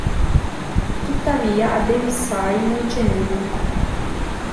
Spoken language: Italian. Tuttavia a Davis High non c'è nulla.